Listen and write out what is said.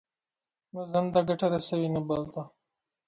نه ځان ته ګټه رسوي، نه بل ته.